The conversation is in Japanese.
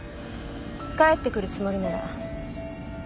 帰ってくるつもりなら。